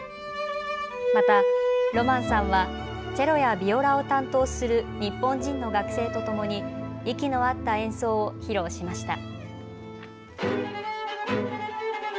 またロマンさんはチェロやビオラを担当する日本人の学生とともに息の合った演奏を披露しました。